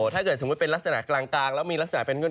ถ้าเกิดสมมุติเป็นลักษณะกลางแล้วมีลักษณะเป็นเงิน